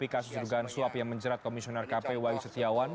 kasus dugaan suap yang menjerat komisioner kp wayu setiawan